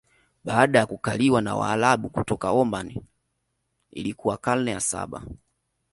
Baada ya kukaliwa na waarabu kutoka Oman Ilikuwa karne ya Saba